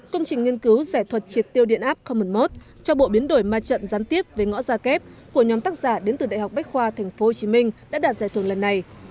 công trình nghiên cứu giải thuật triệt tiêu điện ap commenmode cho bộ biến đổi ma trận gián tiếp với ngõ gia kép của nhóm tác giả đến từ đại học bách khoa tp hcm đã đạt giải thưởng lần này